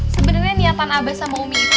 sebenernya niatan abah sama umi itu